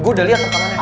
gua udah liat pertamanya